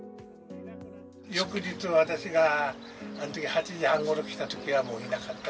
翌日、私が、あのとき８時半ごろ来たときは、もういなかった。